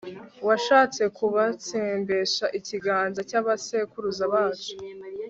washatse kubatsembesha ikiganza cy'abasekuruza bacu